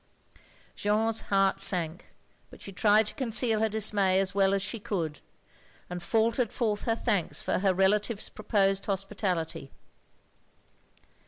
Jeanne's heart sank, but she tried to conceal her dismay as well as she could; and faltered forth her thanks for her relative's proposed hospitality.